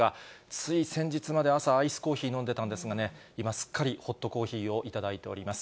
つい先日まで朝、アイスコーヒー飲んでたんですがね、今、すっかりホットコーヒーを頂いております。